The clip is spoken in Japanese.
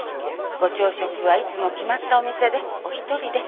ご朝食はいつも決まったお店でお一人で。